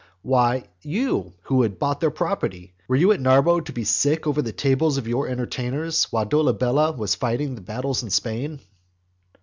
Why, you who had bought their property. Were you at Narbo to be sick over the tables of your entertainers, while Dolabella was fighting your battles in Spain?